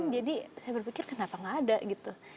jadi saya berpikir kenapa tidak ada gitu